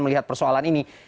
melihat persoalan ini